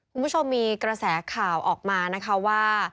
คุณผู้ชมมีกระแสข่าวออกมานะคะว่า